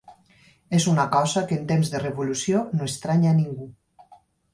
És una cosa que en temps de revolució no estranya a ningú.